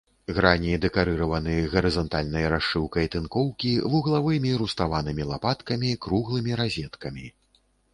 Грані дэкарыраваны гарызантальнай расшыўкай тынкоўкі, вуглавымі руставанымі лапаткамі, круглымі разеткамі.